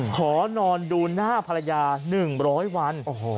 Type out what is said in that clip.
ขอนอนดูหน้าภรรยา๑๐๐วัน